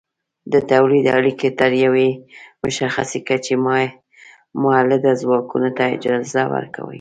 د تولید اړیکې تر یوې مشخصې کچې مؤلده ځواکونو ته اجازه ورکوي.